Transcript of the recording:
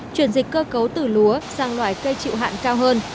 chuyển dịch cơ cấu từ lúa sang loại cây chịu hạn cao hơn